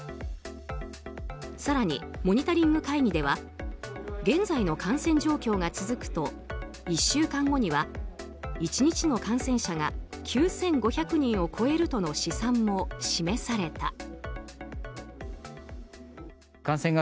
更にモニタリング会議では現在の感染状況が続くと１週間後には１日の感染者が９５００人を超えるとの試算も示された。